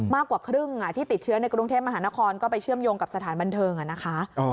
มากกว่าครึ่งที่ติดเชื้อในกรุงเทพมหานครก็ไปเชื่อมโยงกับสถานบันเทิงนะคะ